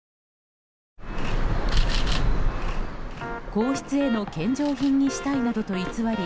皇室への献上品にしたいなどと偽り